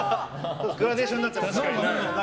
グラデーションになって。